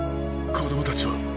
子供たちは？